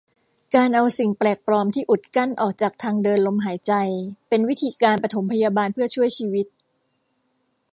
การเอาสิ่งแปลกปลอมที่อุดกั้นออกจากทางเดินลมหายใจเป็นวิธีการปฐมพยาบาลเพื่อช่วยชีวิต